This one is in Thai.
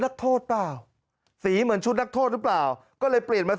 นักโทษเปล่าสีเหมือนชุดนักโทษหรือเปล่าก็เลยเปลี่ยนมา